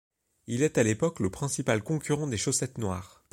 Il est à l'époque le principal concurrent des Chaussettes noires.